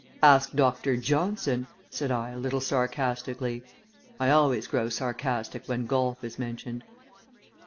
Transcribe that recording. "Ask Dr. Johnson," said I, a little sarcastically. I always grow sarcastic when golf is mentioned.